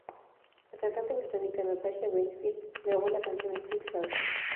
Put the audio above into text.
La cantante británica Natasha Bedingfield grabó la canción "Still Here".